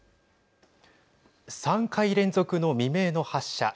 ３回連続の未明の発射。